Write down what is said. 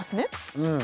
うん。